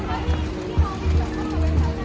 กลับไปลงบ้าง